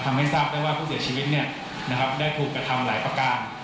ทำให้ทราบได้ว่าผู้เสียชีวิตได้ถูกกระทำหลายประการ